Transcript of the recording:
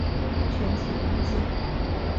全景廊街。